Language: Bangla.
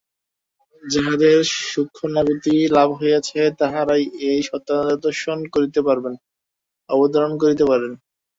যাঁহাদের সূক্ষ্মানুভূতি লাভ হইয়াছে, তাঁহারাই এই সত্যদর্শন করিতে পারেন, অবধারণ করিতে পারেন।